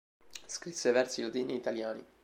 Scrisse versi latini e italiani.